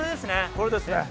これですね。